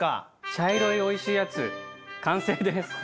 茶色いおいしいやつ完成です。